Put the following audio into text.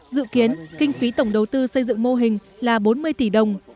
dự kiến kinh phí tổng đầu tư xây dựng mô hình là bốn mươi tỷ đồng